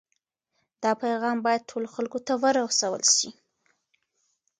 دا پیغام باید ټولو خلکو ته ورسول سي.